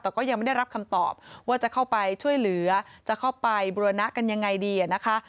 แต่ก็ยังไม่ได้รับคำตอบว่าจะเข้าไปช่วยเหลือจะเข้าไปบุรณะกันยังไงดีนะคะ